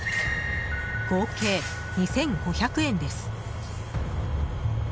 合計２５００円です。